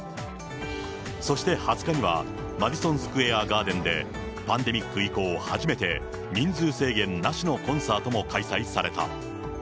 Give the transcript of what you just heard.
そして２０日には、マディソンスクエアガーデンでパンデミック以降初めて、人数制限なしのコンサートも開催された。